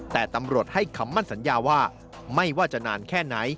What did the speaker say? แต่ตำรวจให้คำมั่นสัญญาว่าไม่ว่าจะนานแค่ไหน